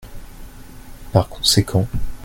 Par conséquent.